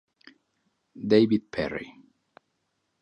David Perry.